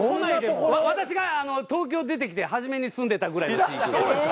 私が東京出てきて初めに住んでたぐらいの地域。